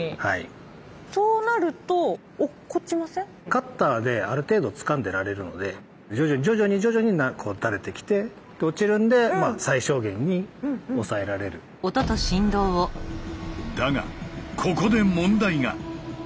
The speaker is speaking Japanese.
カッターである程度つかんでられるので徐々に徐々に徐々に垂れてきて落ちるんでだがここで問題が。